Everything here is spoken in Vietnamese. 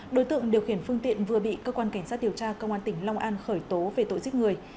đối tượng điều khiển phương tiện vừa bị cơ quan cảnh sát điều tra công an tỉnh long an khởi tố về tội giết người